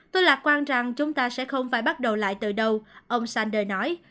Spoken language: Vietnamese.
tôi lạc quan rằng chúng ta sẽ không phải bắt đầu lại từ đầu ông sander nói